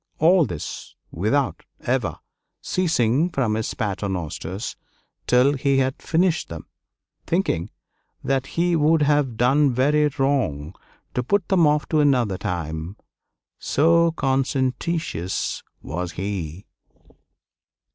All this without ever ceasing from his paternosters till he had finished them thinking that he would have done very wrong to put them off to another time; so conscientious was he!